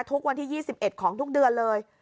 ทุกวันที่๒๑ของทุกเดือนเลย